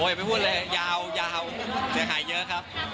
โอ้ยไม่พูดเลยยาวยาวจะหายเยอะครับ